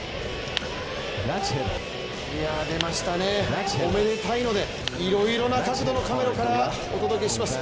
出ましたねおめでたいのでいろいろな角度のカメラからお届けします。